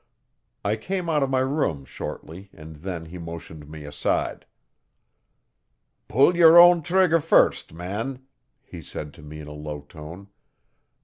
I came out of my room shortly, and then he motioned me aside. 'Pull your own trigger first, man,' he said to me in a low tone.